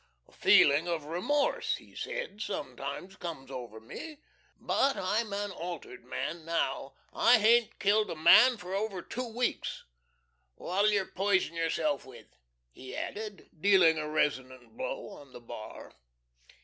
"A feeling of remorse," he said, "sometimes comes over me! But I'm an altered man now. I hain't killed a man for over two weeks! What'll yer poison yourself with?" he added, dealing a resonant blow on the bar.